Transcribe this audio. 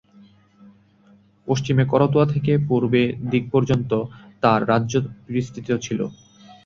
পশ্চিমে করতোয়া থেকে পূর্বে দিক পর্যন্ত তার রাজ্য বিস্তৃত ছিল।